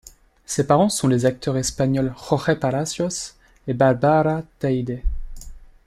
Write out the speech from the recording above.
Ses parents sont les acteurs espagnols Jorge Palacios et Bárbara Teyde.